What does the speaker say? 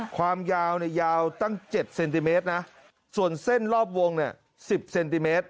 ความยาวเนี่ยยาวตั้ง๗เซนติเมตรนะส่วนเส้นรอบวงเนี่ย๑๐เซนติเมตร